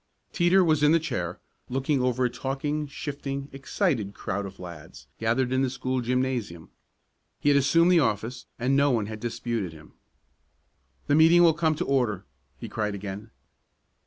Teeter was in the chair, looking over a talking, shifting, excited crowd of lads gathered in the school gymnasium. He had assumed the office, and no one had disputed him. "The meeting will come to order!" he cried again.